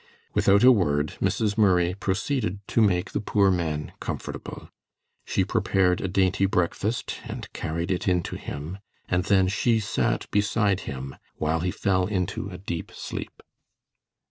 Without a word, Mrs. Murray proceeded to make the poor man comfortable. She prepared a dainty breakfast and carried it in to him, and then she sat beside him while he fell into a deep sleep.